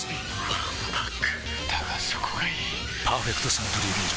わんぱくだがそこがいい「パーフェクトサントリービール糖質ゼロ」